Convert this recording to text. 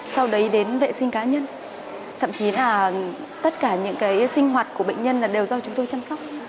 sau đấy đến vệ sinh cá nhân thậm chí là tất cả những cái sinh hoạt của bệnh nhân đều do chúng tôi chăm sóc